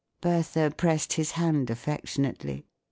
" Bertha pressed his hand affectionately.